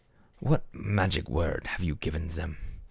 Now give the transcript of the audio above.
" What magic word have you given them